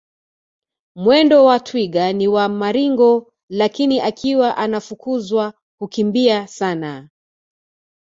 Mwendo wa twiga ni wa maringo lakini akiwa anafukuzwa hukimbia sana